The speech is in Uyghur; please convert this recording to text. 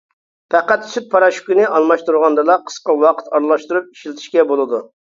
پەقەت سۈت پاراشوكىنى ئالماشتۇرغاندىلا قىسقا ۋاقىت ئارىلاشتۇرۇپ ئىشلىتىشكە بولىدۇ.